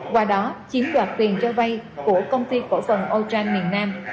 qua đó chiếm đoạt tiền cho vay của công ty cổ phần ochang miền nam